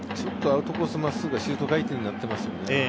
アウトコース、ちょっとシュート回転になってますよね